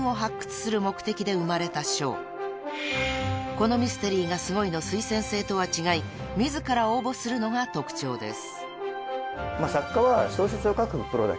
［『このミステリーがすごい！』の推薦制とは違い自ら応募するのが特徴です］